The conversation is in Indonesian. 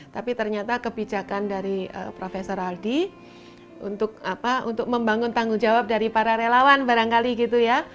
tapi ternyata kebijakan dari prof aldi untuk membangun tanggung jawab dari para relawan barangkali gitu ya